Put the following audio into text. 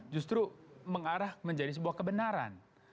justru mengarah menjadi sebuah kebenaran